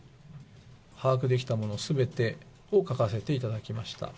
把握できたものすべてを書かせていただきました。